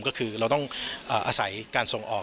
ก็คือเราต้องอาศัยการส่งออก